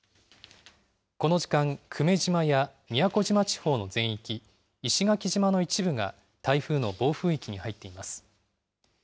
この時間、久米島や宮古島地方の全域、石垣島の一部が台風の暴風域に入っています。